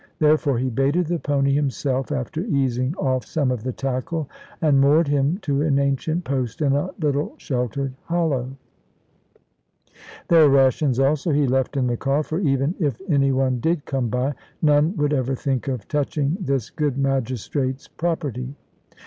Therefore he baited the pony himself, after easing off some of the tackle, and moored him to an ancient post in a little sheltered hollow. Their rations also he left in the car, for even if any one did come by, none would ever think of touching this good magistrate's property.